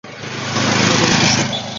তোমার যেমন খুশি।